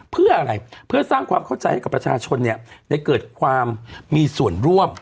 เพื่ออะไรเพื่อสร้างความเข้าใจให้กับประชาชนเนี่ยได้เกิดความมีส่วนร่วม